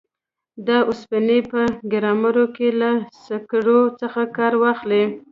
د اوسپنې په ګرمولو کې له سکرو څخه کار واخلي.